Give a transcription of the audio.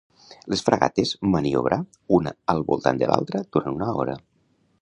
Les fragates maniobrar una al voltant de l'altra durant una hora.